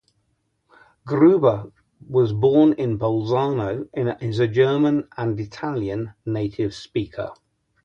Gruber was born in Bolzano and is a German and Italian native speaker.